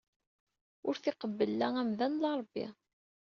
Ur t-iqebbel la amdan la Rebbi.